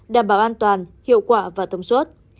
đảm bảo an toàn hiệu quả và tổng suất